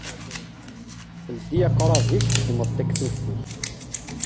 Ldi aqṛab-ik, teddmeḍ-d taktubt-ik!